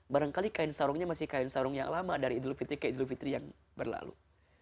barangkali kain sarungnya masih kain sarung yang lama dari idul fitri ke idul fitri yang berlalu